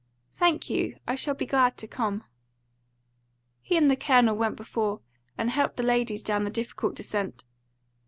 "Thank you; I shall be glad to come." He and the Colonel went before, and helped the ladies down the difficult descent.